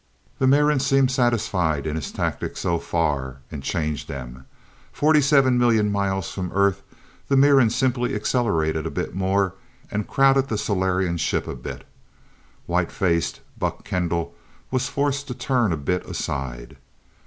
The Miran seemed satisfied in his tactics so far and changed them. Forty seven million miles from Earth, the Miran simply accelerated a bit more, and crowded the Solarian ship a bit. White faced, Buck Kendall was forced to turn a bit aside.